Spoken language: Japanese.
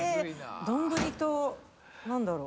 丼と何だろう？